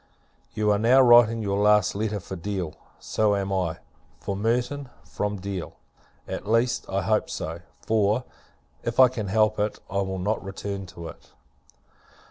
You are now writing your last letter for Deal; so am I, for Merton, from Deal: at least, I hope so; for, if I can help it, I will not return to it.